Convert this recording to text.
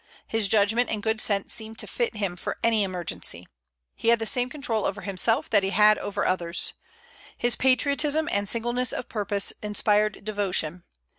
His judgment and good sense seemed to fit him for any emergency. He had the same control over himself that he had over others. His patriotism and singleness of purpose inspired devotion.